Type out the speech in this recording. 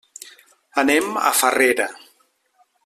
Anem a Farrera.